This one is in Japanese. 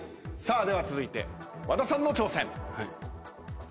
では続いて和田さんの挑戦。